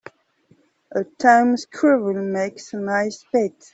A tame squirrel makes a nice pet.